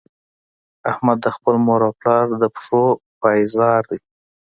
احمد د خپل مور او پلار د پښو پایزار دی.